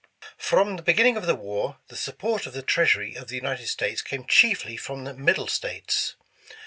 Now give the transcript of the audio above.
''From the beginning of the war, the support of the treasury of the United States came chiefly from the middle States.